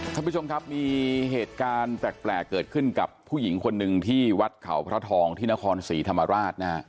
ท่านผู้ชมครับมีเหตุการณ์แปลกเกิดขึ้นกับผู้หญิงคนหนึ่งที่วัดเขาพระทองที่นครศรีธรรมราชนะฮะ